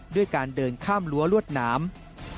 ด้วยการเดินข้ามรั้วลวดหนาม